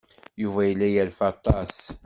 Yuba yella yerfa aṭas.